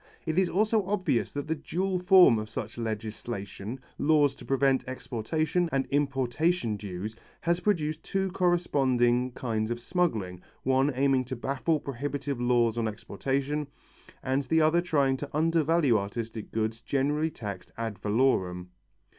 It is also obvious that the dual form of such legislation, laws to prevent exportation, and importation dues, has produced two corresponding kinds of smuggling, the one aiming to baffle prohibitive laws on exportation, and the other trying to undervalue artistic goods generally taxed ad valorem.